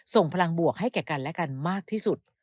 ส่งพลังบวกให้แก่กันและกันมากที่สุด